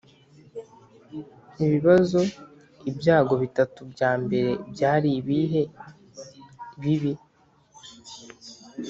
Ibibazo Ibyago bitatu bya mbere byari ibihe bibi